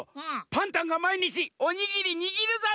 パンタンがまいにちおにぎりにぎるざんす。